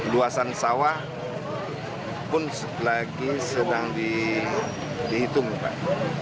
luasan sawah pun lagi sedang dihitung pak